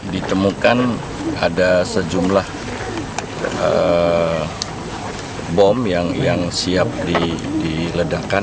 ditemukan ada sejumlah bom yang siap diledakan